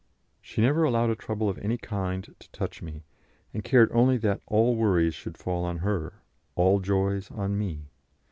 She never allowed a trouble of any kind to touch me, and cared only that all worries should fall on her, all joys on me.